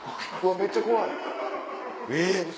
めっちゃ怖い。